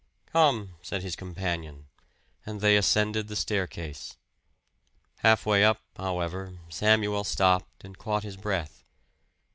"Come," said his companion, and they ascended the staircase. Halfway up, however, Samuel stopped and caught his breath.